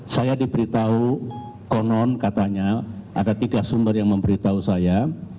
saya diberitahu konon katanya ada tiga sumber yang memberitahu saya